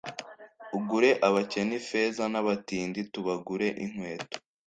ugure abakene ifeza n’abatindi tubagure inkweto